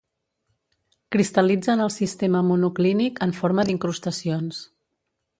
Cristal·litza en el sistema monoclínic en forma d'incrustacions.